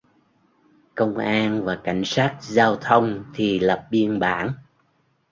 Công an và cảnh sát giao thông thì Lập biên bản